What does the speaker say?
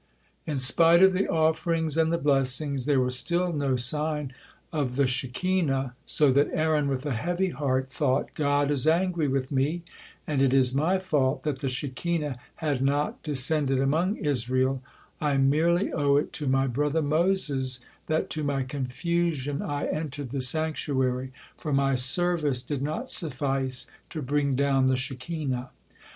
In spite of the offerings and the blessings, there was still no sign of the Shekinah, so that Aaron, with a heavy heart, thought, "God is angry with me, and it is my fault that the Shekinah had not descended among Israel, I merely owe it to my brother Moses that to my confusion I entered the sanctuary, for my service did not suffice to bring down the Shekinah."